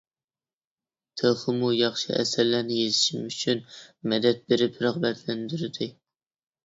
تېخىمۇ ياخشى ئەسەرلەرنى يېزىشىم ئۈچۈن مەدەت بېرىپ رىغبەتلەندۈردى.